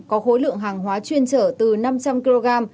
có khối lượng hàng hóa chuyên trở từ năm trăm linh kg